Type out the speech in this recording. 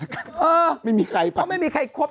เลยค่ะไม่มีใครบ้างเขาไม่มีใครครบ